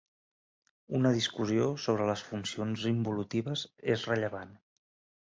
Una discussió sobre les funcions involutives és rellevant.